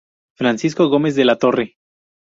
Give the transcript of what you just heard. Francisco Gómez de la Torre.